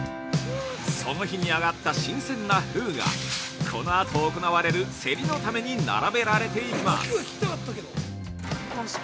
◆その日に揚がった新鮮なふぐがこのあと行われる競りのために並べられています。